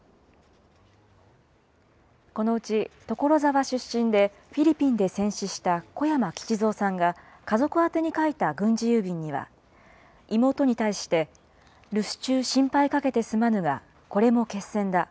このうち所沢出身でフィリピンで戦死した小山吉蔵さんが、家族宛てに書いた軍事郵便には、妹に対して、留守中心配かけてすまぬがこれも決戦だ。